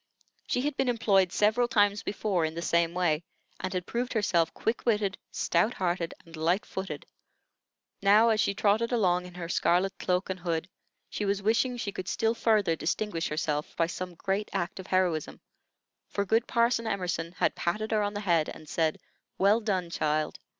She had been employed several times before in the same way, and had proved herself quick witted, stout hearted, and light footed. Now, as she trotted along in her scarlet cloak and hood, she was wishing she could still further distinguish herself by some great act of heroism; for good Parson Emerson had patted her on the head and said, "Well done, child!"